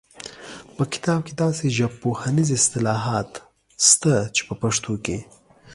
په کتاب کې داسې ژبپوهنیز اصطلاحات شته چې په پښتو کې